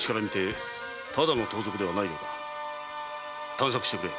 探索してくれ。